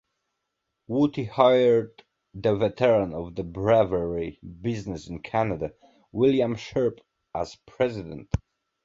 Schotte hired a veteran of the brewery business in Canada, William Sharpe, as president.